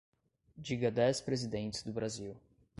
Diga dez Presidentes do Brasil.